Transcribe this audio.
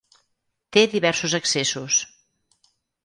Té diversos accessos.